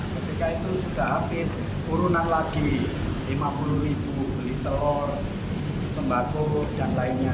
ketika itu sudah habis urunan lagi rp lima puluh beli telur sembako dan lainnya